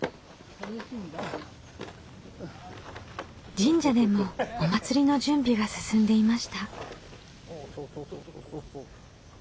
神社でもお祭りの準備が進んでいました。